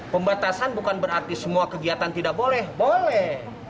pembatasan bukan berarti semua kegiatan tidak boleh boleh